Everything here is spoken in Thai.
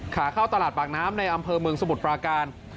ขาเข้าตลาดปากน้ำในอำเภอเมืองสมุทรปราการ